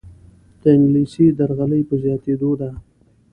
دانګلیس درغلۍ په زیاتیدو ده.